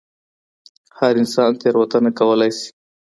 هر انسان تېروتنه کولای سي.